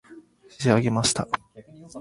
仕上げました